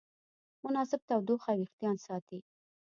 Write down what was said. مناسب تودوخه وېښتيان ساتي.